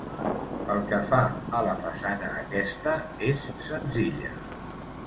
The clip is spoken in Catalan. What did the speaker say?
Pel que fa a la façana aquesta és senzilla.